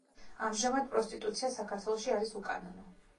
ამჟამად პროსტიტუცია საქართველოში არის უკანონო.